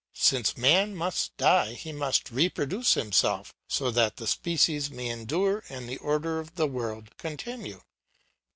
Since man must die, he must reproduce himself, so that the species may endure and the order of the world continue.